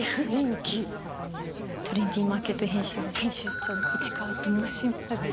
『トレンディマーケット』編集部編集長市川と申します。